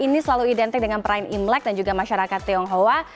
ini selalu identik dengan perayaan imlek dan juga masyarakat tionghoa